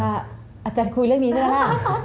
อาจารย์คุยเรื่องนี้ด้วยแล้วล่ะ